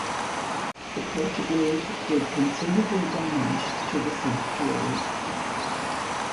The Portuguese did considerable damage to the sanctuaries.